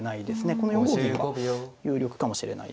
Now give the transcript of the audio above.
この４五銀は有力かもしれないですね。